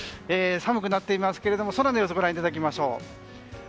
寒くなっていますけれども空の様子ご覧いただきましょう。